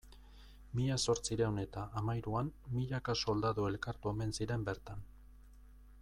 Mila zortziehun eta hamahiruan milaka soldadu elkartu omen ziren bertan.